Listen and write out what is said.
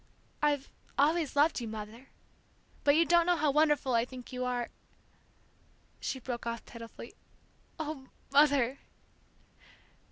"I've always loved you, Mother, but you don't know how wonderful I think you are " She broke off pitifully, "Ah, Mother!"